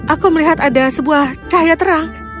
aku melihat ada sebuah cahaya terang